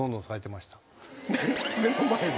目の前で？